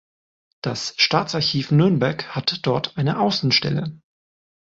Das Staatsarchiv Nürnberg hat dort eine Außenstelle.